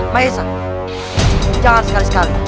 maesan jangan sekali sekali